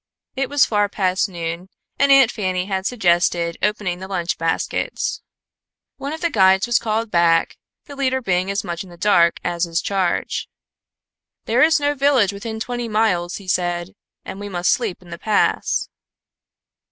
It was far past noon and Aunt Fanny had suggested opening the lunch baskets. One of the guides was called back, the leader being as much in the dark as his charge. "There is no village within twenty miles," he said, "and we must sleep in the pass."